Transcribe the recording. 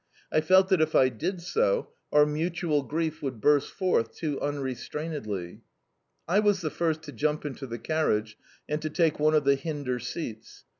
I felt that if I did so our mutual grief would burst forth too unrestrainedly. I was the first to jump into the carriage and to take one of the hinder seats.